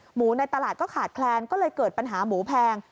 ในตลาดก็ขาดแคลนก็เลยเกิดปัญหาหมูแพง